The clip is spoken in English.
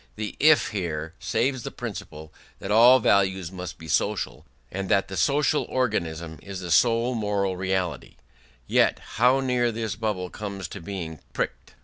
The "if" here saves the principle that all values must be social, and that the social organism is the sole moral reality: yet how near this bubble comes to being pricked!